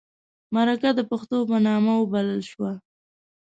د مرکه د پښتو په نامه وبلله شوه.